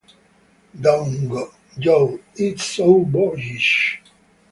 Don't, Jo; it's so boyish!